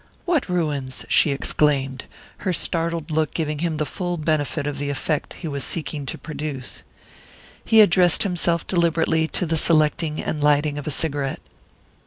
"What ruins?" she exclaimed, her startled look giving him the full benefit of the effect he was seeking to produce. He addressed himself deliberately to the selecting and lighting of a cigarette.